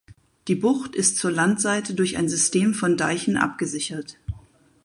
Die Bucht ist zur Landseite durch ein System von Deichen abgesichert.